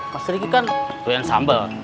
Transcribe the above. mas riki kan doyan sambel